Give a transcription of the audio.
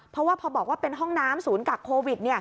เพราะว่าพอบอกว่าเป็นห้องน้ำศูนย์กักโควิด